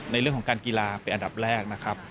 ในเรื่องของการกีฬาเป็นอันดับแรกนะครับ